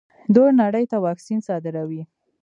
دوی نړۍ ته واکسین صادروي.